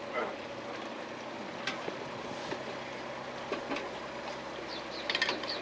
mbak mbak tunggu abis itu